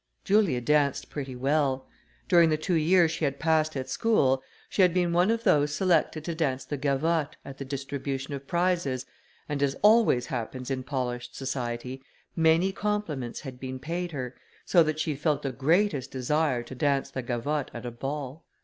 Julia danced pretty well. During the two years she had passed at school, she had been one of those selected to dance the gavotte, at the distribution of prizes, and as always happens in polished society, many compliments had been paid her, so that she felt the greatest desire to dance the gavotte at a ball.